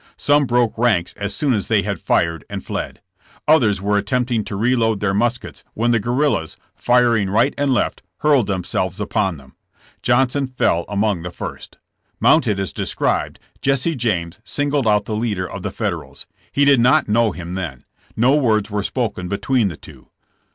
Some broke ranks as soon as they had fired and fled. Others were attempting to reload their muskets when the guerrillas, firing right and left, hurled themselves upon them. Johnson fell among the first. Mounted as described, Jesse James singled out the leader of the Federals. He did not know him then. No words were spoken between the two.